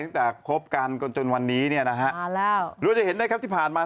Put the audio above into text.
ตั้งแต่ครบกันจนวันนี้นะฮะหรือว่าจะเห็นได้ครับที่ผ่านมา